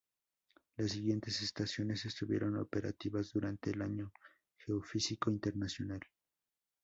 Las siguientes estaciones estuvieron operativas durante el Año Geofísico Internacional.